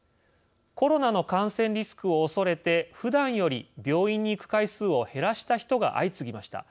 コロナの感染リスクをおそれてふだんより病院に行く回数を減らした人が相次ぎました。